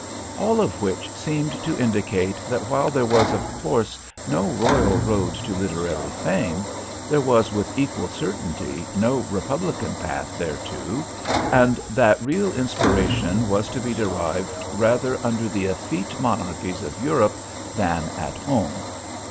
All of which seemed to indicate that while there was of course no royal road to literary fame, there was with equal certainty no republican path thereto, and that real inspiration was to be derived rather under the effete monarchies of Europe than at home.